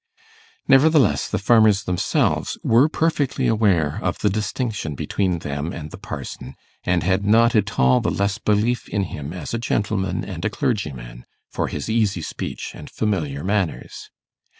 Nevertheless the farmers themselves were perfectly aware of the distinction between them and the parson, and had not at all the less belief in him as a gentleman and a clergyman for his easy speech and familiar manners.